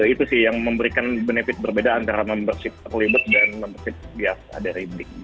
itu sih yang memberikan benefit berbeda antara membership early bird dan membership biasa dari blink